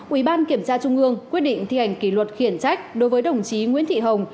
ủy ban kiểm tra trung ương quyết định thi hành kỷ luật khiển trách đối với đồng chí nguyễn thị hồng